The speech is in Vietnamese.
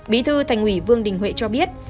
bí thư thành ủy vương đình huệ cho biết